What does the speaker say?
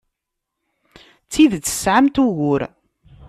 D tidet tesɛamt ugur.